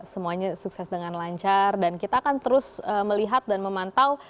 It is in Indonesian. semuanya sukses dengan lancar dan kita akan terus melihat dan memantau